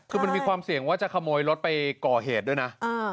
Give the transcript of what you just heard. คือมันมีความเสี่ยงว่าจะขโมยรถไปก่อเหตุด้วยนะ